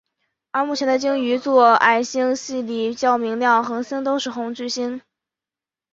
而目前在鲸鱼座矮星系里较明亮恒星都是红巨星。